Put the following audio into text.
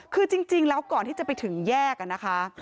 คือจริงแล้วก่อนที่จะไปถึงแยกนะคะ